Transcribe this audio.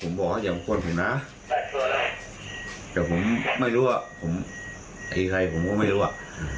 ผมบอกว่าอย่างคนผิดนะแต่ผมไม่รู้ว่าผมตีใครผมก็ไม่รู้อ่ะ